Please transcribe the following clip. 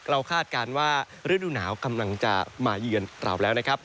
คาดการณ์ว่าฤดูหนาวกำลังจะมาเยือนเราแล้วนะครับ